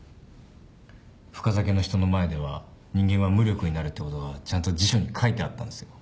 深酒の人の前では人間は無力になるってことがちゃんと辞書に書いてあったんですよ。